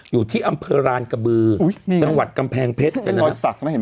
อยู่ที่อำเภอรานกระบือจังหวัดกำแพงเพชร